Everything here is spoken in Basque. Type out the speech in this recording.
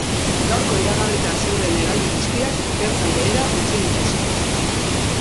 Gaurko iragarrita zeuden hegaldi guztiak bertan behera utzi dituzte.